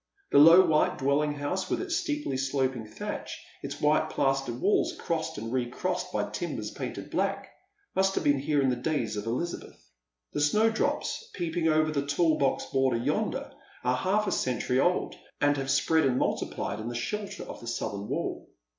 The low white dwelling house, with its steeply eloping thatch, its white plastered walls crossed and recrossed by timbers painted black, must have been here in the days of Elizabeth. The snowdrops peeping over the tall box border yonder are half a century old, and have spread and multiplied in the shelter of the southern wall.